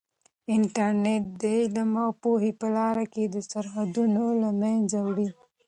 انټرنیټ د علم او پوهې په لاره کې سرحدونه له منځه وړي.